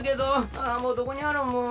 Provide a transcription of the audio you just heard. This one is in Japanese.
ああもうどこにあるん？